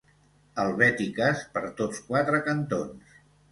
Helvètiques per tots quatre cantons.